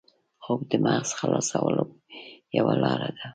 خوب د مغز خلاصولو یوه لاره ده